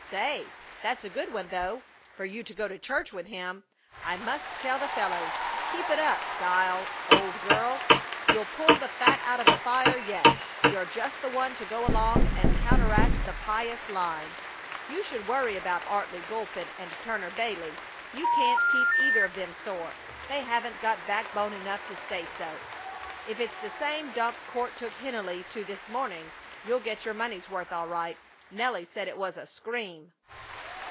Say! that's a good one, though, for you to go to church with him! I must tell the fellows. Keep it up, Guile, old girl! You'll pull the fat out of the fire yet. You're just the one to go along and counteract the pious line. You should worry about Artley Guelpin and Turner Bailey! You can't keep either of them sore; they haven't got back bone enough to stay so. If it's the same dump Court took Tennelly to this morning you'll get your money's worth, all right. Nelly said it was a scream."